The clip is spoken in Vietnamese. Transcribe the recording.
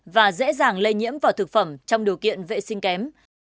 và dễ dàng lây nhiễm vào thực phẩm trong điều kiện vệ sinh kém